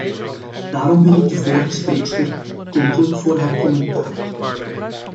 Daarom ben ik de vorige spreekster erkentelijk voor haar commentaar.